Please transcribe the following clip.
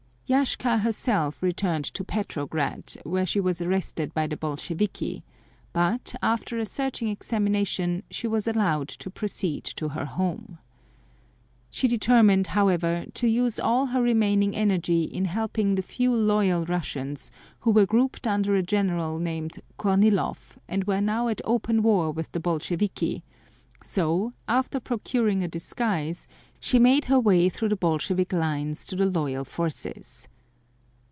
Yashka herself returned to Petrograd where she was arrested by the Bolsheviki, but, after a searching examination, she was allowed to proceed to her home. She determined, however, to use all her remaining energy in helping the few loyal Russians who were grouped under a general named Kornilov and were now at open war with the Bolsheviki, so, after procuring a disguise, she made her way through the Bolshevik lines to the loyal forces.